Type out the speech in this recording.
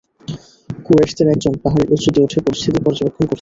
কুরাইশদের একজন পাহাড়ের উঁচুতে উঠে পরিস্থিতি পর্যবেক্ষণ করছিল।